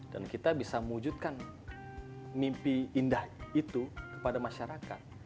dan kita bisa mewujudkan mimpi indah itu kepada masyarakat